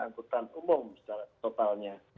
angkutan umum secara totalnya